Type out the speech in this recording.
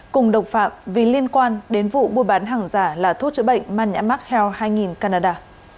cùng độc phạm vì liên quan đến vụ buôn bán hàng giả là thuốc chữa bệnh mania mark health hai nghìn canada